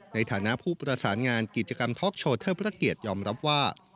ในฐานะผู้ประสานงานกิจกรรมท็อกโชว์เทิดพระเกียรติยอมรับว่า